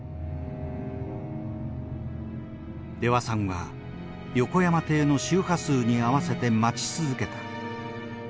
出羽さんは横山艇の周波数に合わせて待ち続けた。